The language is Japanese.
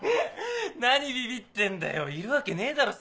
何ビビってんだよいるわけねえだろ